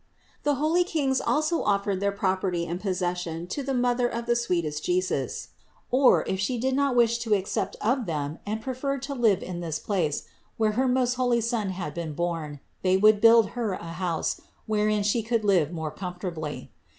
569. The holy Kings also offered their property and possession to the Mother of the sweetest Jesus, or, if She did not wish to accept of them and preferred to live in this place, where her most holy Son had been born, they would build Her a house, wherein She could live more comfortably.